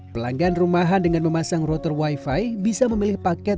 pelanggan rumahan dengan memasang roter wifi bisa memilih paket